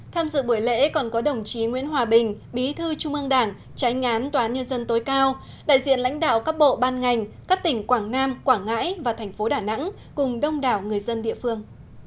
tham dự buổi lễ còn có đồng chí nguyễn hòa bình bí thư trung ương đảng tránh ngán toán nhân dân tối cao đại diện lãnh đạo các bộ ban ngành các tỉnh quảng nam quảng ngãi và thành phố đà nẵng cùng đông đảo người dân địa phương